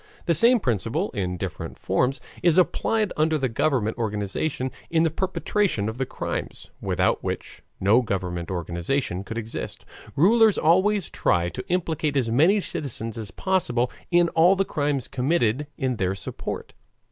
The same principle in different forms is applied under the government organization in the perpetration of the crimes, without which no government organization could exist. Rulers always try to implicate as many citizens as possible in all the crimes committed in their support.